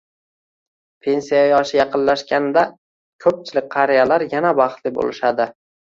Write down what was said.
Pensiya yoshi yaqinlashganda, ko'pchilik qariyalar yana baxtli bo'lishadi